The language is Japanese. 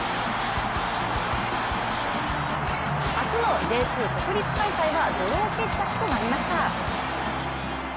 初のＪ２国立開催はドロー決着となりました。